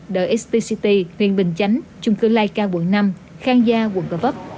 đợi xtct nguyên bình chánh chung cư laika bộ năm khang gia quận cờ vấp